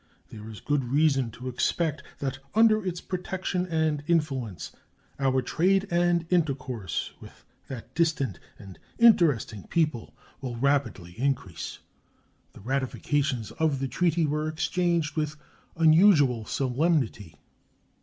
There is good reason to expect that under its protection and influence our trade and intercourse with that distant and interesting people will rapidly increase. The ratifications of the treaty were exchanged with unusual solemnity.